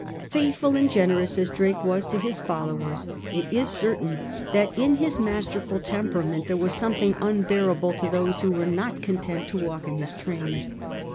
Faithful and generous as Drake was to his followers, it is certain that in his masterful temperament there was something unbearable to those who were not content to walk in his train.